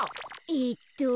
えっと。